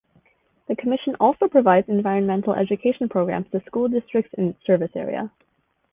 The commission also provides environmental education programs to school districts in its service area.